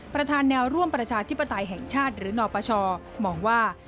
ประธานแนวร่วมประชาธิปไตยแห่งชาติหรือนปชมองว่า